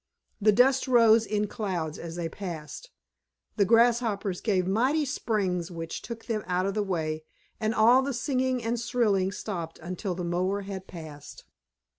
The dust rose in clouds as they passed, the Grasshoppers gave mighty springs which took them out of the way, and all the singing and shrilling stopped until the mower had passed.